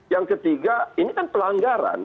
yang ketiga ini kan pelanggaran